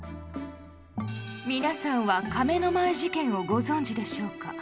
皆さんは亀の前事件をご存じでしょうか？